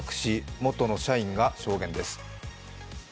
元の社員が証言です。